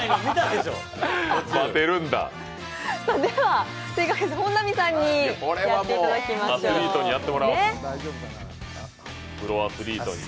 では本並さんにやっていただきましょう。